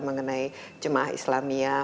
mengenai jemaah islamiyah